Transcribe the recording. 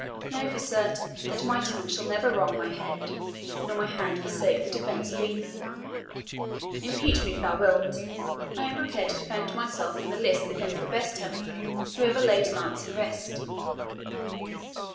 "Know, for certain, that my tongue shall never wrong my head, nor my hand forsake the defence of either. Impeach me if thou wilt I am prepared to defend myself in the lists against the best Templar who ever laid lance in rest."